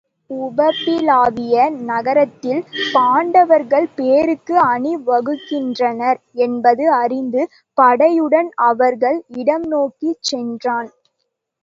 உபப்பிலாவிய நகரத்தில் பாண்டவர்கள் போருக்கு அணி வகுக்கின்றனர் என்பது அறிந்து படை யுடன் அவர்கள் இடம் நோக்கிச் சென்றான்.